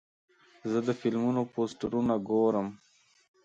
زه د فلمونو پوسټرونه ګورم.